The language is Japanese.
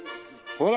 ほら。